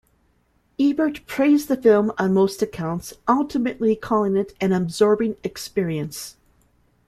Ebert praised the film on most accounts, ultimately calling it "an absorbing experience".